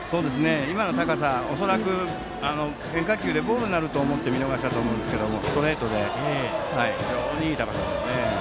今の高さ、恐らく変化球でボールになると思って見逃したんですがストレートで非常にいい高さですね。